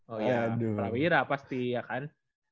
oh ya prawira pasti ya kan